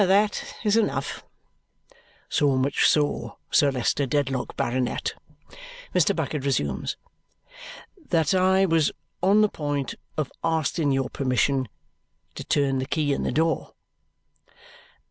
"That is enough." "So much so, Sir Leicester Dedlock, Baronet," Mr. Bucket resumes, "that I was on the point of asking your permission to turn the key in the door."